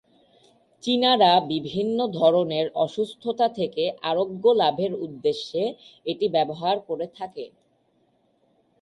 চীনারা বিভিন্ন ধরনের অসুস্থতা থেকে আরোগ্য লাভের উদ্দেশ্যে এটি ব্যবহার করে থাকে।